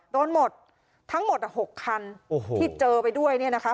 โดนหมดทั้งหมด๖คันโอ้โหที่เจอไปด้วยเนี่ยนะคะ